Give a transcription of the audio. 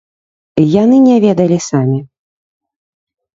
Яны не ведалі самі!